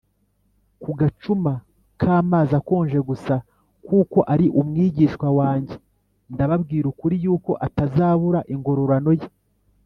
” ku gacuma k’amazi akonje gusa, kuko ari umwigishwa wanjye, ndababwira ukuri yuko atazabura ingororano ye”